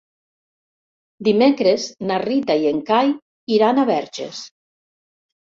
Dimecres na Rita i en Cai iran a Verges.